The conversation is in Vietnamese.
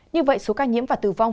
như vậy số ca nhiễm và tử vong